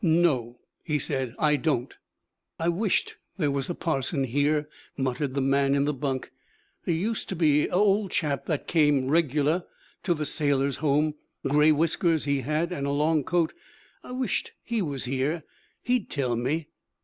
'No,' he said, 'I don't.' 'I wisht there was a parson here,' muttered the man in the bunk. 'There used to be a old chap that come regular to the Sailors' Home gray whiskers, he had, an' a long coat I wisht he was here. He'd tell me.'